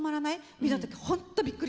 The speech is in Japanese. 見た時本当びっくりした。